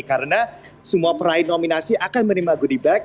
karena semua peraih nominasi akan menerima goodie bag